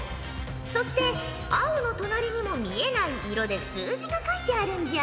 そして青の隣にも見えない色で数字が書いてあるんじゃ。